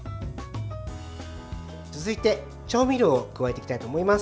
続いて、調味料を加えていきたいと思います。